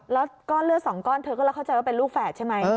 แล้วก้อนเลือดสองก้อนเธอก็เลยเข้าใจว่าเป็นลูกแฝดใช่ไหม